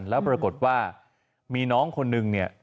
แล้วปรากฏว่ามีน้องคนนึงเนี่ย